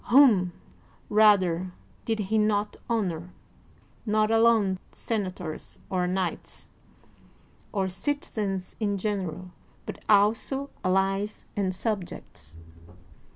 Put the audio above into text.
Whom, rather, did he not honor, not alone sen ators or knights or citizens in general, but also allies and subjects